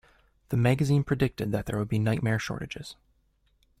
The magazine predicted that there would be nightmare shortages.